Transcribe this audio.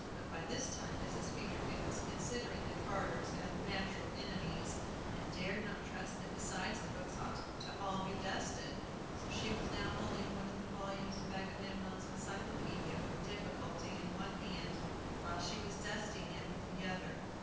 But by this time Mrs. Peterkin was considering the carters as natural enemies, and dared not trust them; besides, the books ought all to be dusted. So she was now holding one of the volumes of Agamemnon's Encyclopædia, with difficulty, in one hand, while she was dusting it with the other.